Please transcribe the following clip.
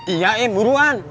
iya im buruan